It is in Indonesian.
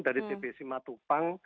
dari tps simatupang